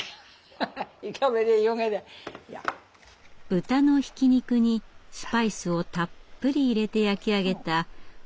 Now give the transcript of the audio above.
豚のひき肉にスパイスをたっぷり入れて焼き上げたポルペトーネ。